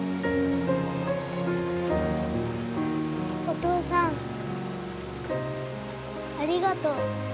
お父さんありがとう。